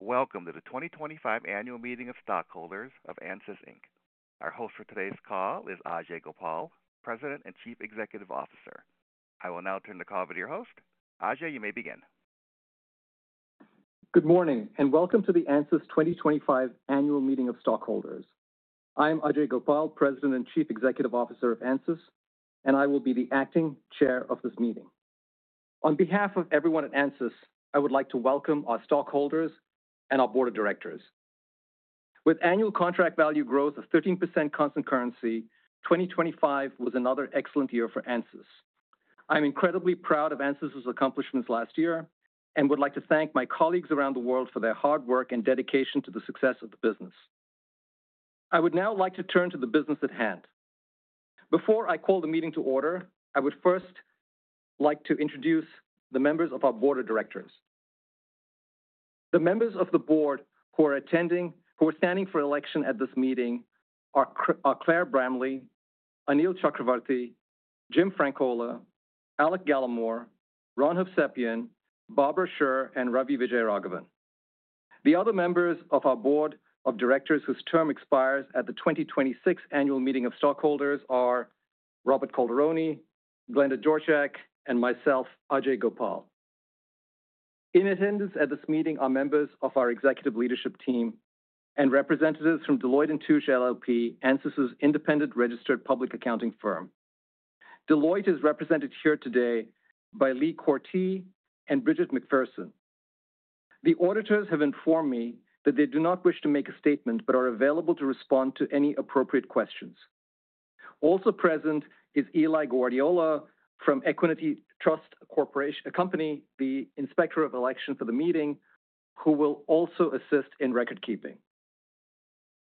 Welcome to the 2025 Annual Meeting of Stockholders of ANSYS. Our host for today's call is Ajei Gopal, President and Chief Executive Officer. I will now turn the call to your host. Ajei, you may begin. Good morning and welcome to the ANSYS 2025 Annual Meeting of Stockholders. I am Ajei Gopal, President and Chief Executive Officer of ANSYS, and I will be the Acting Chair of this meeting. On behalf of everyone at ANSYS, I would like to welcome our stockholders and our board of directors. With annual contract value growth of 13% constant currency, 2025 was another excellent year for ANSYS. I'm incredibly proud of ANSYS' accomplishments last year and would like to thank my colleagues around the world for their hard work and dedication to the success of the business. I would now like to turn to the business at hand. Before I call the meeting to order, I would first like to introduce the members of our board of directors. The members of the board who are attending, who are standing for election at this meeting are Claire Bramley, Anil Chakravarthy, Jim Francola, Alec Gallimore, Ron Hovsepian, Barbara Scherer, and Ravi Vijayaraghavan. The other members of our board of directors whose term expires at the 2026 Annual Meeting of Stockholders are Robert Calderoni, Glenda Dorchak, and myself, Ajei Gopal. In attendance at this meeting are members of our executive leadership team and representatives from Deloitte & Touche LLP, ANSYS' independent registered public accounting firm. Deloitte is represented here today by Lee Corte and Bridget MacPherson. The auditors have informed me that they do not wish to make a statement but are available to respond to any appropriate questions. Also present is Eli Guardiola from Equiniti Trust Company, the inspector of election for the meeting, who will also assist in record keeping.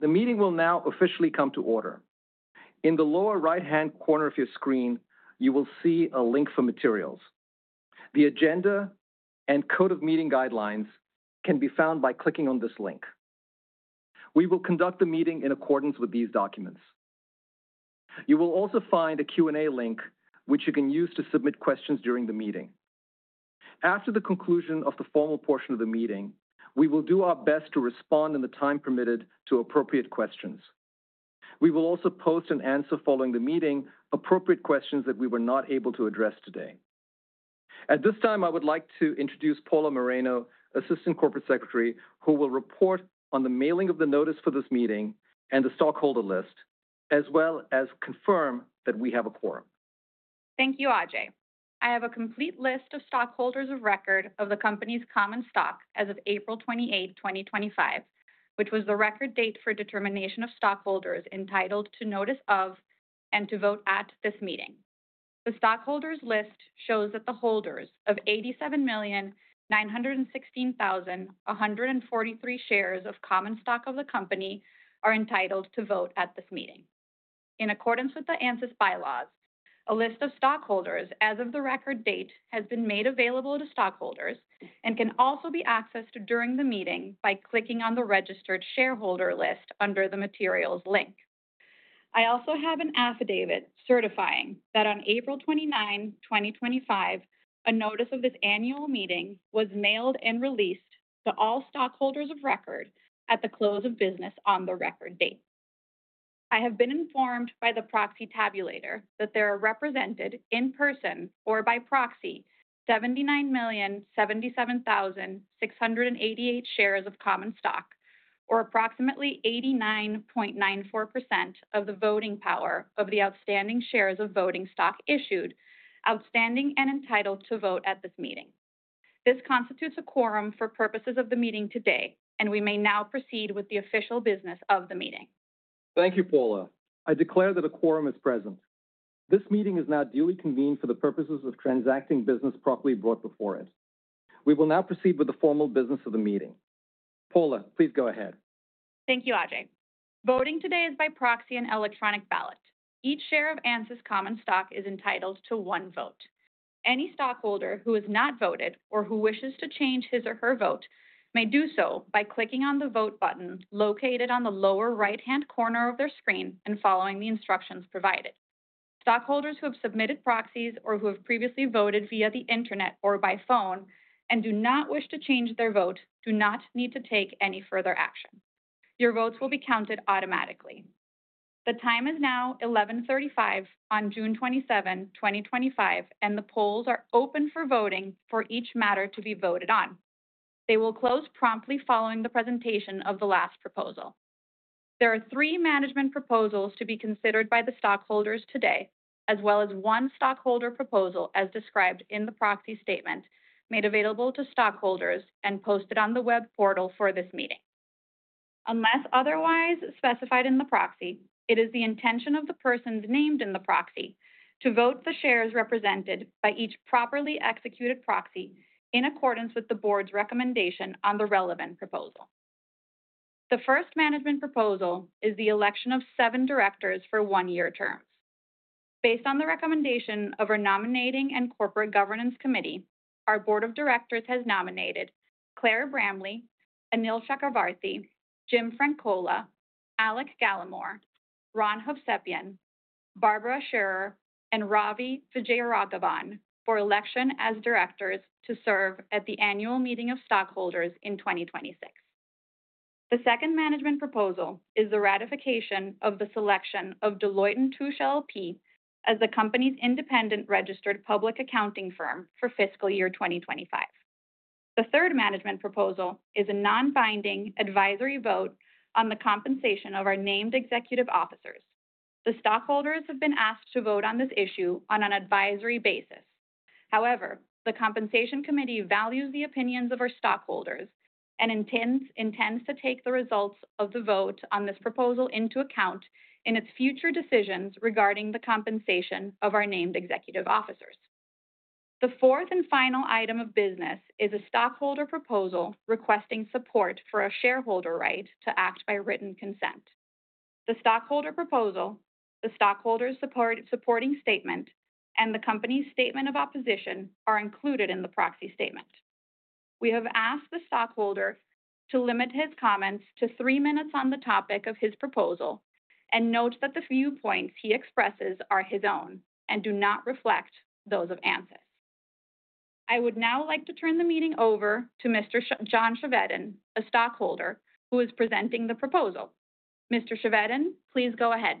The meeting will now officially come to order. In the lower right-hand corner of your screen, you will see a link for materials. The agenda and code of meeting guidelines can be found by clicking on this link. We will conduct the meeting in accordance with these documents. You will also find a Q&A link, which you can use to submit questions during the meeting. After the conclusion of the formal portion of the meeting, we will do our best to respond in the time permitted to appropriate questions. We will also post and answer following the meeting appropriate questions that we were not able to address today. At this time, I would like to introduce Paula Moreno, Assistant Corporate Secretary, who will report on the mailing of the notice for this meeting and the stockholder list, as well as confirm that we have a quorum. Thank you, Ajei. I have a complete list of stockholders of record of the company's common stock as of April 28, 2025, which was the record date for determination of stockholders entitled to notice of and to vote at this meeting. The stockholders' list shows that the holders of 87,916,143 shares of common stock of the company are entitled to vote at this meeting. In accordance with the ANSYS bylaws, a list of stockholders as of the record date has been made available to stockholders and can also be accessed during the meeting by clicking on the registered shareholder list under the materials link. I also have an affidavit certifying that on April 29, 2025, a notice of this annual meeting was mailed and released to all stockholders of record at the close of business on the record date. I have been informed by the proxy tabulator that there are represented in person or by proxy 79,077,688 shares of common stock, or approximately 89.94% of the voting power of the outstanding shares of voting stock issued, outstanding and entitled to vote at this meeting. This constitutes a quorum for purposes of the meeting today, and we may now proceed with the official business of the meeting. Thank you, Paula. I declare that a quorum is present. This meeting is now duly convened for the purposes of transacting business properly brought before it. We will now proceed with the formal business of the meeting. Paula, please go ahead. Thank you, Ajei. Voting today is by proxy and electronic ballot. Each share of ANSYS common stock is entitled to one vote. Any stockholder who has not voted or who wishes to change his or her vote may do so by clicking on the vote button located on the lower right-hand corner of their screen and following the instructions provided. Stockholders who have submitted proxies or who have previously voted via the internet or by phone and do not wish to change their vote do not need to take any further action. Your votes will be counted automatically. The time is now 11:35 A.M. on June 27, 2025, and the polls are open for voting for each matter to be voted on. They will close promptly following the presentation of the last proposal. There are three management proposals to be considered by the stockholders today, as well as one stockholder proposal as described in the proxy statement made available to stockholders and posted on the web portal for this meeting. Unless otherwise specified in the proxy, it is the intention of the persons named in the proxy to vote the shares represented by each properly executed proxy in accordance with the board's recommendation on the relevant proposal. The first management proposal is the election of seven directors for one-year terms. Based on the recommendation of our Nominating and Corporate Governance Committee, our board of directors has nominated Claire Bramley, Anil Chakravarthy, Jim Francola, Alec Gallimore, Ron Hovsepian, Barbara Scherer, and Ravi Vijayraghavan for election as directors to serve at the annual meeting of stockholders in 2026. The second management proposal is the ratification of the selection of Deloitte & Touche LLP as the company's independent registered public accounting firm for fiscal year 2025. The third management proposal is a non-binding advisory vote on the compensation of our named executive officers. The stockholders have been asked to vote on this issue on an advisory basis. However, the Compensation Committee values the opinions of our stockholders and intends to take the results of the vote on this proposal into account in its future decisions regarding the compensation of our named executive officers. The fourth and final item of business is a stockholder proposal requesting support for a shareholder right to act by written consent. The stockholder proposal, the stockholder's supporting statement, and the company's statement of opposition are included in the proxy statement. We have asked the stockholder to limit his comments to three minutes on the topic of his proposal and note that the few points he expresses are his own and do not reflect those of ANSYS. I would now like to turn the meeting over to Mr. John Chevedden, a stockholder who is presenting the proposal. Mr. Chevedden, please go ahead.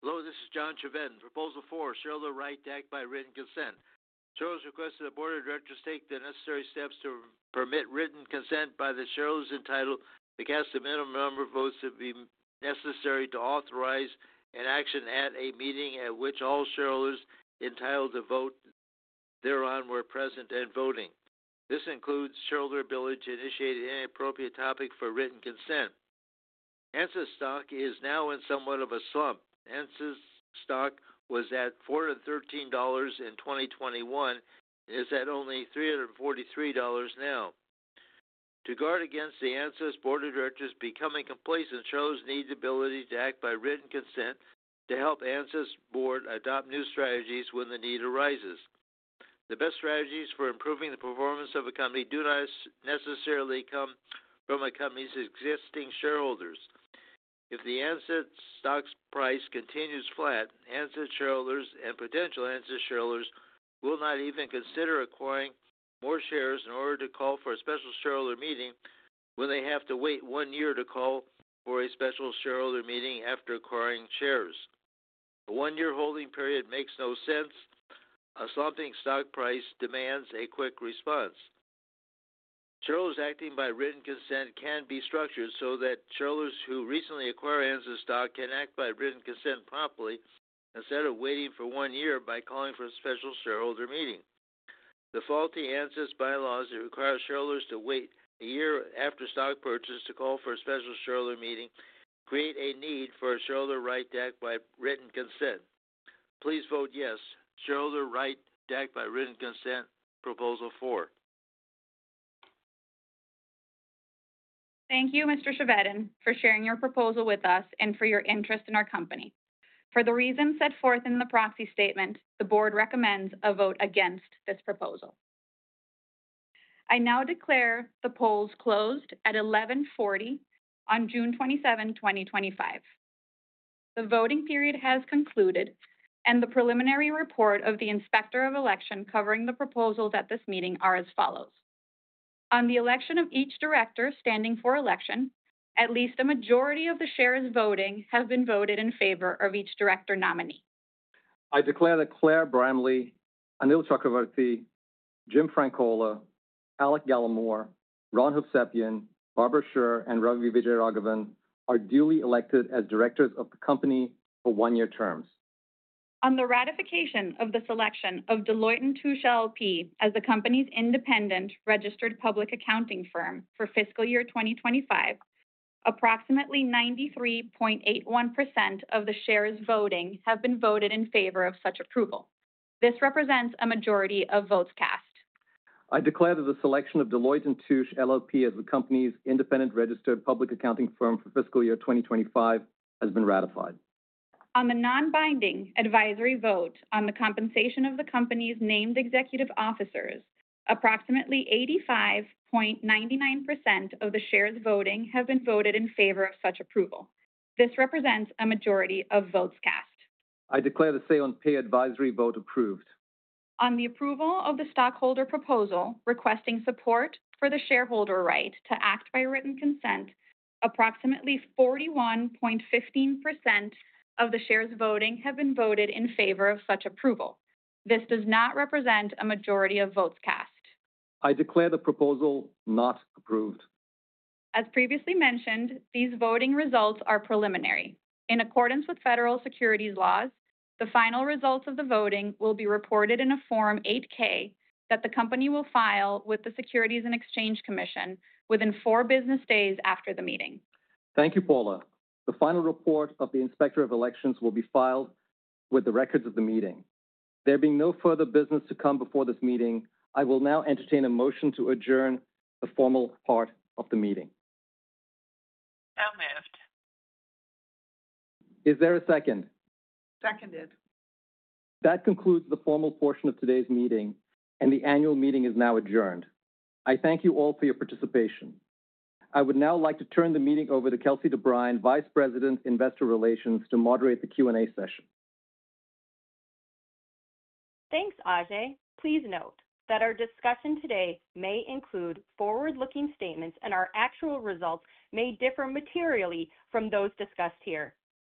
Hello, this is John Chevedden. Proposal four, share the right to act by written consent. Shareholders request that the board of directors take the necessary steps to permit written consent by the shareholders entitled to cast a minimum number of votes to be necessary to authorize an action at a meeting at which all shareholders entitled to vote thereon were present and voting. This includes shareholder ability to initiate an inappropriate topic for written consent. ANSYS stock is now in somewhat of a slump. ANSYS stock was at $413 in 2021 and is at only $343 now. To guard against the ANSYS board of directors becoming complacent, shareholders need the ability to act by written consent to help ANSYS board adopt new strategies when the need arises. The best strategies for improving the performance of a company do not necessarily come from a company's existing shareholders. If the ANSYS stock's price continues flat, ANSYS shareholders and potential ANSYS shareholders will not even consider acquiring more shares in order to call for a special shareholder meeting when they have to wait one year to call for a special shareholder meeting after acquiring shares. A one-year holding period makes no sense. A slumping stock price demands a quick response. Shareholders acting by written consent can be structured so that shareholders who recently acquired ANSYS stock can act by written consent promptly instead of waiting for one year by calling for a special shareholder meeting. The faulty ANSYS bylaws that require shareholders to wait a year after stock purchase to call for a special shareholder meeting create a need for a shareholder right to act by written consent. Please vote yes. Shareholder right to act by written consent proposal four. Thank you, Mr. Chevedin, for sharing your proposal with us and for your interest in our company. For the reasons set forth in the proxy statement, the board recommends a vote against this proposal. I now declare the polls closed at 11:40 A.M. on June 27, 2025. The voting period has concluded, and the preliminary report of the inspector of election covering the proposals at this meeting is as follows. On the election of each director standing for election, at least a majority of the shares voting have been voted in favor of each director nominee. I declare that Claire Bramley, Anil Chakravarthy, Jim Francola, Alec Gallimore, Ron Huffsapien, Barbara Scherer, and Ravi Vijayraghavan are duly elected as directors of the company for one-year terms. On the ratification of the selection of Deloitte & Touche LLP as the company's independent registered public accounting firm for fiscal year 2025, approximately 93.81% of the shares voting have been voted in favor of such approval. This represents a majority of votes cast. I declare that the selection of Deloitte & Touche LLP as the company's independent registered public accounting firm for fiscal year 2025 has been ratified. On the non-binding advisory vote on the compensation of the company's named executive officers, approximately 85.99% of the shares voting have been voted in favor of such approval. This represents a majority of votes cast. I declare the say-on-pay advisory vote approved. On the approval of the stockholder proposal requesting support for the shareholder right to act by written consent, approximately 41.15% of the shares voting have been voted in favor of such approval. This does not represent a majority of votes cast. I declare the proposal not approved. As previously mentioned, these voting results are preliminary. In accordance with federal securities laws, the final results of the voting will be reported in a Form 8-K that the company will file with the Securities and Exchange Commission within four business days after the meeting. Thank you, Paula. The final report of the inspector of elections will be filed with the records of the meeting. There being no further business to come before this meeting, I will now entertain a motion to adjourn the formal part of the meeting. Now moved. Is there a second? Seconded. That concludes the formal portion of today's meeting, and the annual meeting is now adjourned. I thank you all for your participation. I would now like to turn the meeting over to Kelsey DeBriyn, Vice President, Investor Relations, to moderate the Q&A session. Thanks, Ajei. Please note that our discussion today may include forward-looking statements, and our actual results may differ materially from those discussed here.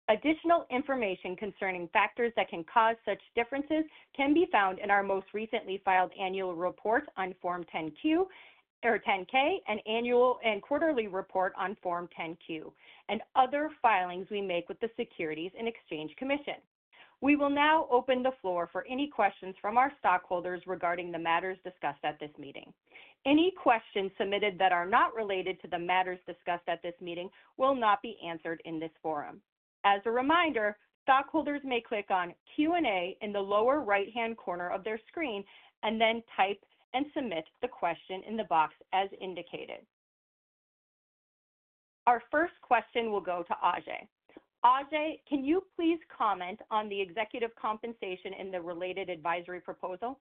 Additional information concerning factors that can cause such differences can be found in our most recently filed annual report on Form 10-Q or 10-K and annual and quarterly report on Form 10-Q and other filings we make with the Securities and Exchange Commission. We will now open the floor for any questions from our stockholders regarding the matters discussed at this meeting. Any questions submitted that are not related to the matters discussed at this meeting will not be answered in this forum. As a reminder, stockholders may click on Q&A in the lower right-hand corner of their screen and then type and submit the question in the box as indicated. Our first question will go to Ajei. Ajei, can you please comment on the executive compensation in the related advisory proposal?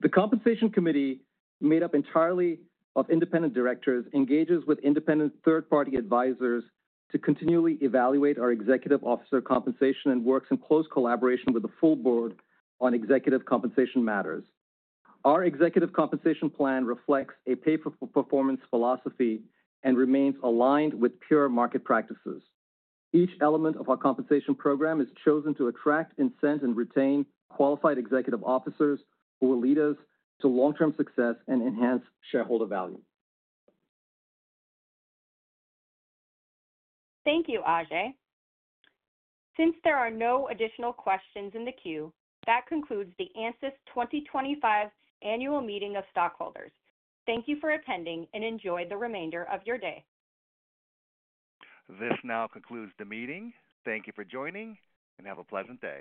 The Compensation Committee, made up entirely of independent directors, engages with independent third-party advisors to continually evaluate our executive officer compensation and works in close collaboration with the full board on executive compensation matters. Our executive compensation plan reflects a pay-for-performance philosophy and remains aligned with peer market practices. Each element of our compensation program is chosen to attract, incent, and retain qualified executive officers who will lead us to long-term success and enhance shareholder value. Thank you, Ajei. Since there are no additional questions in the queue, that concludes the ANSYS 2025 annual meeting of stockholders. Thank you for attending and enjoy the remainder of your day. This now concludes the meeting. Thank you for joining and have a pleasant day.